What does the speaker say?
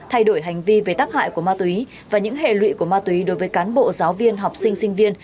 thay đổi hành vi về tác hại của ma túy và những hệ lụy của ma túy đối với cán bộ giáo viên học sinh sinh viên